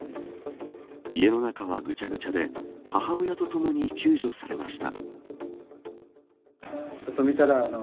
家の中はぐちゃぐちゃで母親とともに救助されました。